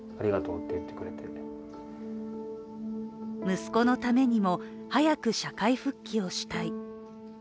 息子のためにも、早く社会復帰をしたい。